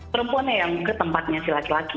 perempuannya yang ke tempatnya si laki laki